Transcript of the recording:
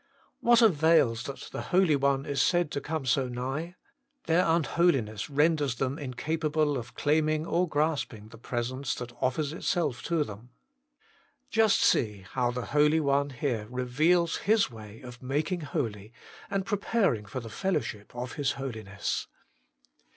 What avails that the Holy One is said to come so nigh ? their unholiness renders them incapable of claiming or grasping the Presence that offers itself to them. Just see how the Holy One here reveals His way of making holy, and preparing for the fellowship of His Holiness.